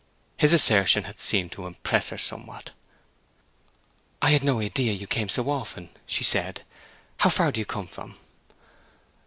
His assertion had seemed to impress her somewhat. "I had no idea you came so often," she said. "How far do you come from?"